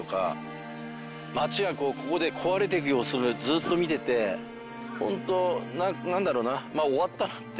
町がこうここで壊れていく様子をずっと見てて本当なんだろうなまあ終わったなって。